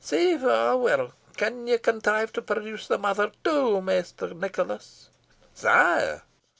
Sae far weel. Canna you contrive to produce the mother, too, Maister Nicholas?" "Sire!"